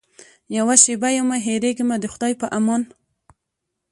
یوه شېبه یمه هېرېږمه د خدای په امان.